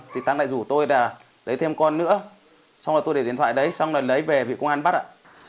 thì thắng lại rủ tôi là lấy thêm con nữa xong rồi tôi để điện thoại đấy xong rồi lấy về vì công an bắt ạ